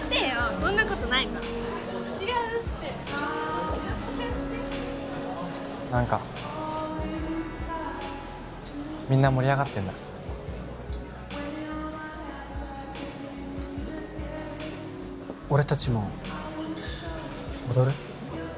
そんなことないから違うって何かみんな盛り上がってんな俺達も踊る？